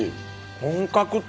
本格的！